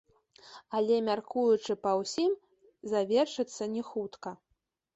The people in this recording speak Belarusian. Але, мяркуючы па ўсім, завершацца не хутка.